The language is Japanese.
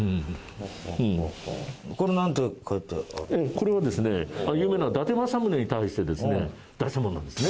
これはですね有名な伊達政宗に対してですね出したものなんですね。